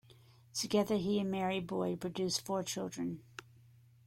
Together he and Mary Boyd produced four children.